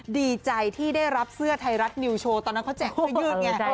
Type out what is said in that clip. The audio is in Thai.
ดีใจที่ได้รับเสื้อไทยรัฐนิวโชว์ตอนนั้นเขาแจกเสื้อยืดไง